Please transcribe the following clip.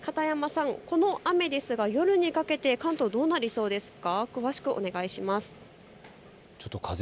さて片山さん、この雨ですが夜にかけて関東どうなりそうですか。